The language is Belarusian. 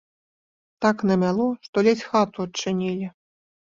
Так намяло, што ледзь хату адчынілі.